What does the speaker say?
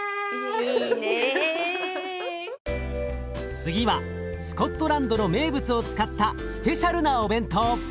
次はスコットランドの名物を使ったスペシャルなお弁当。